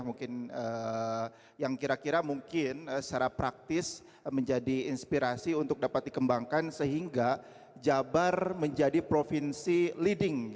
mungkin yang kira kira mungkin secara praktis menjadi inspirasi untuk dapat dikembangkan sehingga jabar menjadi provinsi leading